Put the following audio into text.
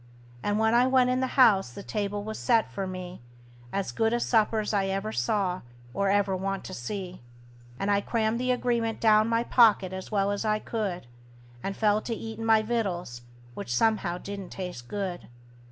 And when I went in the house the table was set for me As good a supper's I ever saw, or ever want to see; And I crammed the agreement down my pocket as well as I could, And fell to eatin' my victuals, which somehow didn't taste good.